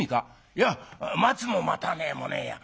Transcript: いや待つも待たねえもねえや。